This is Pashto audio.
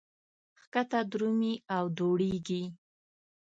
ښکته درومي او دوړېږي.